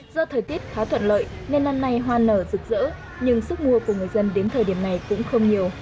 do thời tiết khá thuận lợi nên năm nay hoa nở rực rỡ nhưng sức mua của người dân đến thời điểm này cũng không nhiều